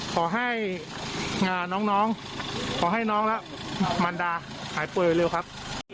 ขอให้อ่าน้องน้องขอให้น้องล่ะมันดาหายปุ่ยไว้เร็วครับ